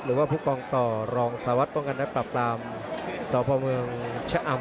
หรือว่าผู้กองตอรองสาวศิลป์กรณ์นะปรับกรามสาวพอมร์เมืองชะอำ